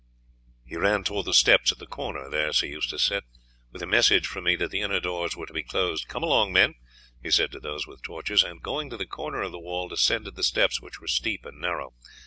"He ran towards the steps at the corner there," Sir Eustace said, "with a message from me that the inner doors were to be closed. Come along, men," he said to those with torches, and going to the corner of the wall descended the steps, which were steep and narrow.